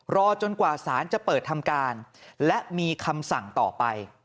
รอจนกว่าสารจะเปิดทำการและมีคำสั่งต่อไป